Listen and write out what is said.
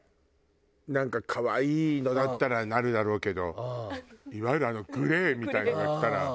なんか可愛いのだったらなるだろうけどいわゆるあのグレイみたいなのが来たら。